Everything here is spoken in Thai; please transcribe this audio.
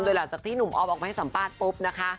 หลังจากที่หนุ่มออฟออกมาให้สัมภาษณ์ปุ๊บนะคะ